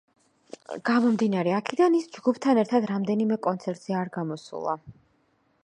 გამომდინარე აქედან, ის ჯგუფთან ერთად რამდენიმე კონცერტზე არ გამოსულა.